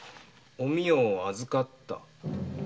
お美代を預かった。